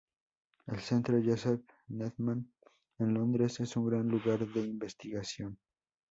El Centro Joseph Needham, en Londres, es un gran lugar de investigación.